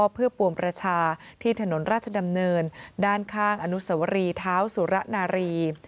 เพื่อปวงประชาที่ถนนราชดำเนินด้านข้างอนุสวรีเท้าสุระนารี